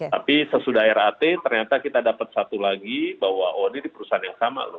tapi sesudah rat ternyata kita dapat satu lagi bahwa oh ini perusahaan yang sama loh